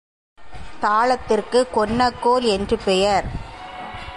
தாளத்திற்கு கொன்னக்கோல் என்று பெயர்